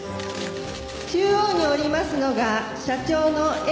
中央におりますのが社長の絵